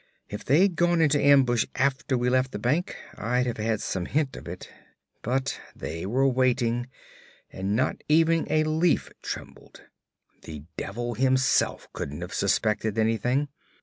If they'd gone into ambush after we left the bank, I'd have had some hint of it. But they were waiting, and not even a leaf trembled. The devil himself couldn't have suspected anything.